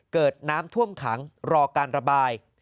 เกิดน้ำท่วมขังรอการระบาย